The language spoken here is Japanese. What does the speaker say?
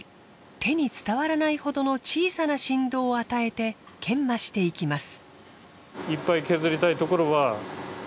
手に伝わらないほどの小さな振動を与えて研磨していきます。